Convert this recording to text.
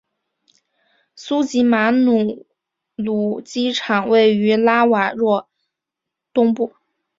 苏吉马努鲁机场位于拉瓦若东部。